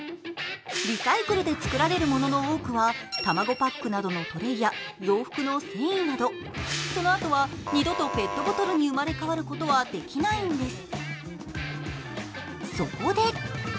リサイクルで作られるものの多くは卵パックなどのトレイや洋服の繊維など、そのあとは二度とペットボトルに生まれ変わることはできないんです。